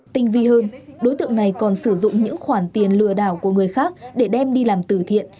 tinh vi hơn đối tượng này còn sử dụng những khoản tiền lừa đảo của người khác để đem đi làm tử thiện